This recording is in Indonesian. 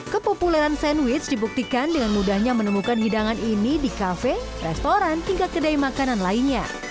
kepopuleran sandwich dibuktikan dengan mudahnya menemukan hidangan ini di kafe restoran hingga kedai makanan lainnya